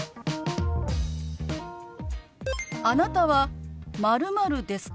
あなたは○○ですか？